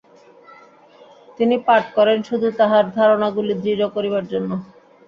তিনি পাঠ করেন শুধু তাঁহার ধারণাগুলি দৃঢ় করিবার জন্য।